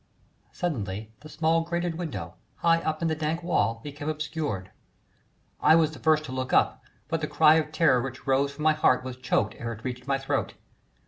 Suddenly the small grated window high up in the dank wall became obscured. I was the first to look up, but the cry of terror which rose from my heart was choked ere it reached my throat.